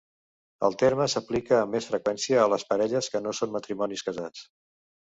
El terme s'aplica amb més freqüència a les parelles que no són matrimonis casats.